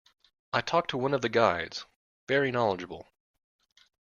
I talked to one of the guides – very knowledgeable.